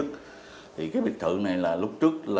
thì cái bệnh thự này là lúc trước